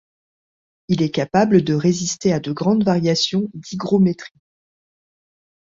Il est capable de résister à de grandes variations d'hygrométrie.